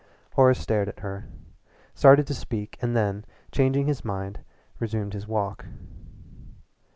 Horace stared at her, started to speak and then, changing his mind, resumed his walk.